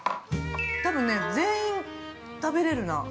◆多分ね、全員食べれるな。